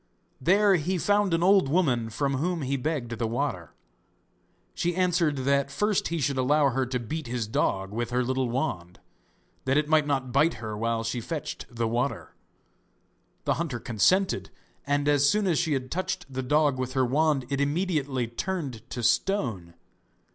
There he found an old woman from whom he begged the water. She answered that first he should allow her to beat his dog with her little wand, that it might not bite her while she fetched the water. The hunter consented; and as soon as she had touched the dog with her wand it immediately turned to stone.